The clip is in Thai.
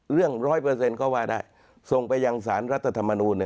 ร้อยเปอร์เซ็นต์ก็ว่าได้ส่งไปยังสารรัฐธรรมนูล